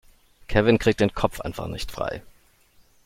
Kevin kriegt den Kopf einfach nicht frei.